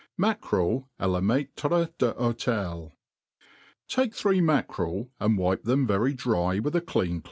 Mackertl a la Maitre tTHoteUe* TAKE three mackerel, and wipe them very dry with a clean